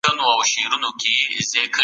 د بدن پیاوړتیا لپاره غوښه اړینه ده.